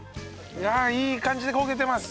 いやいい感じに焦げてます！